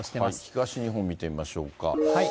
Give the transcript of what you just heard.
東日本見てみましょうか。